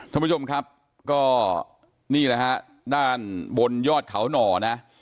ท่านผู้ชมครับก็นี่แหละฮะด้านบนยอดเขาหน่อนะ